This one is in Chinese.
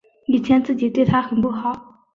以前自己对她很不好